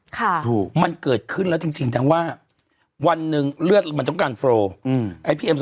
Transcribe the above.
ถูกมันเกิดขึ้นแล้วจริงจริงทั้งว่าวันหนึ่งเลือดมันต้องการโฟลอืมไอ้พี่เอ็ม